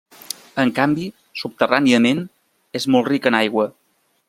En canvi, subterràniament és molt rica en aigua.